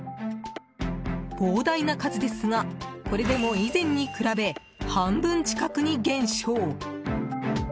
膨大な数ですが、これでも以前に比べ半分近くに減少。